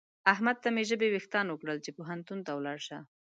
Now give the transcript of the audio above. احمد ته مې ژبې وېښتان وکړل چې پوهنتون ته ولاړ شه.